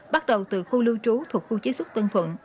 bắt đầu từ khu lưu trú thuộc khu chế xuất tân thuận